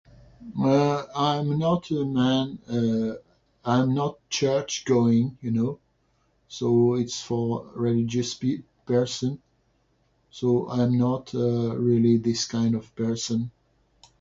Uh I'm not a man- uh, I'm not church-going, you know. So it's for religious peo- person. So I'm not, uh, really this kind of person.